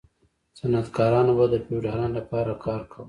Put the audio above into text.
صنعتکارانو به د فیوډالانو لپاره کار کاوه.